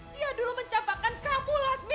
dia dulu mencapakan kamu lasmi